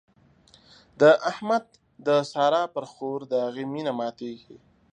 د احمد د سارا پر خور د هغې مينه ماتېږي.